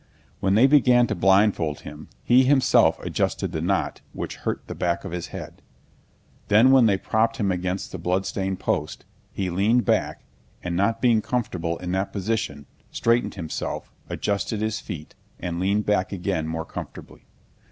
When they began to blindfold him he himself adjusted the knot which hurt the back of his head; then when they propped him against the bloodstained post, he leaned back and, not being comfortable in that position, straightened himself, adjusted his feet, and leaned back again more comfortably.